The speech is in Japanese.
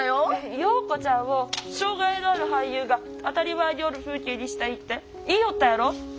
桜子ちゃんも障害のある俳優が当たり前におる風景にしたいって言いよったやろ。